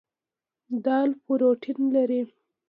دال پروټین لري.